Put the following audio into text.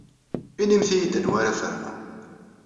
Inimt-iyi-d anwa ara ferneɣ.